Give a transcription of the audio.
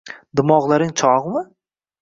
— Dimog‘laring chog‘mi?